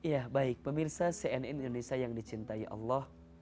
ya baik pemirsa cnn indonesia yang dicintai allah